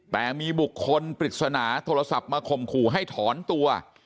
แต่มีบุคคลปริศนาโทรศัพท์มาข่มขู่ให้ถอนตัว